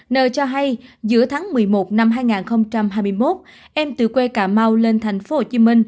n cho hay giữa tháng một mươi một năm hai nghìn hai mươi một em từ quê cà mau lên tp hcm